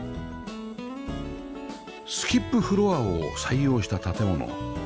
スキップフロアを採用した建物